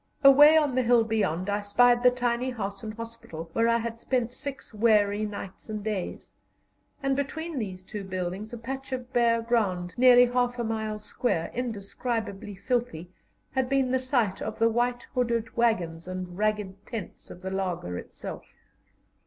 Away on the hill beyond I spied the tiny house and hospital where I had spent six weary nights and days; and between these two buildings a patch of bare ground nearly half a mile square, indescribably filthy, had been the site of the white hooded waggons and ragged tents of the laager itself.